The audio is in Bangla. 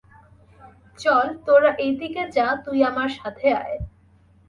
চল, তোরা এইদিকে যা, তুই আমার সাথে আয়।